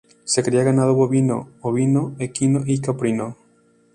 Se cría ganado bovino, ovino, equino y caprino.